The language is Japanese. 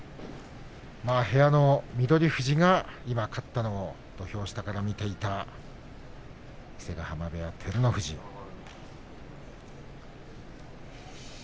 部屋の翠富士が今勝ったのを土俵下から見ていた伊勢ヶ濱部屋の照ノ富士です。